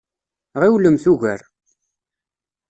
Ɣiwlemt ugar!